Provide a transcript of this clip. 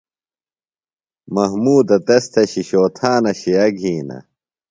محمودہ تس تھےۡ شِشو تھانہ شئے گِھینہ۔